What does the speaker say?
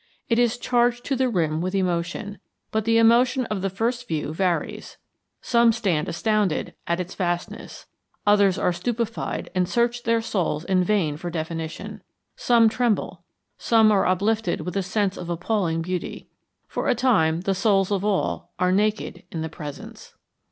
It is charged to the rim with emotion; but the emotion of the first view varies. Some stand astounded at its vastness. Others are stupefied and search their souls in vain for definition. Some tremble. Some are uplifted with a sense of appalling beauty. For a time the souls of all are naked in the presence.